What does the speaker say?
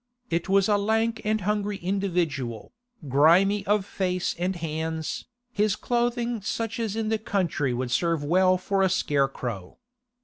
It was a lank and hungry individual, grimy of face and hands, his clothing such as in the country would serve well for a scarecrow.